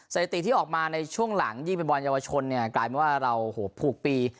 สถิติที่ออกมาในช่วงหลังยิ่งเป็นบอลเยาวชนเนี่ยกลายเป็นว่าเราผูกปี